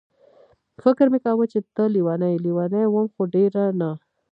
فکر مې کاوه چې ته لېونۍ یې، لېونۍ وم خو ډېره نه.